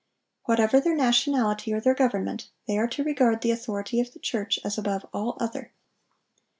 Whatever their nationality or their government, they are to regard the authority of the church as above all other.